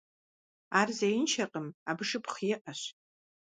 Ар зеиншэкъым, абы шыпхъу иӀэщ.